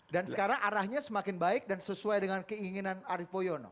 dan sekarang arahnya semakin baik dan sesuai dengan keinginan arief poyono